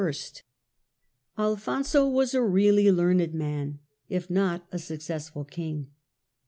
Alfonso was a really learned man, if not a successful King.